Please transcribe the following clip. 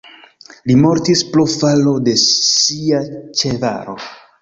Li mortis pro falo de sia ĉevalo.